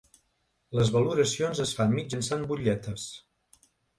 Les valoracions es fan mitjançant butlletes.